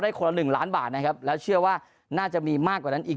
คนละหนึ่งล้านบาทนะครับแล้วเชื่อว่าน่าจะมีมากกว่านั้นอีก